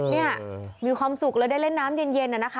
นี่มีความสุขเลยได้เล่นน้ำเย็นนะคะ